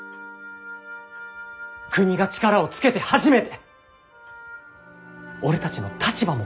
国が力をつけて初めて俺たちの立場も変わるんだ。